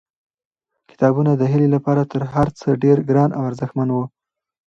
کتابونه د هیلې لپاره تر هر څه ډېر ګران او ارزښتمن وو.